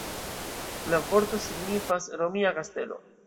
La vorto signifas "romia kastelo".